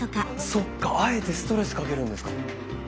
そっかあえてストレスかけるんですか。